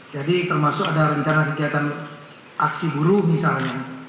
jadi termasuk ada rencana kegiatan aksi buruh misalnya